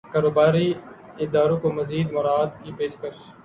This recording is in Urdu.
کاروباری اداروں کو مزید مراعات کی پیشکش